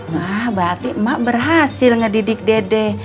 mah berarti emak berhasil ngedidik dede